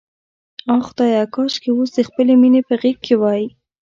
آه خدایه، کاشکې اوس د خپلې مینې په غېږ کې وای.